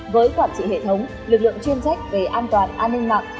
với quản trị hệ thống lực lượng chuyên trách về an toàn an ninh mạng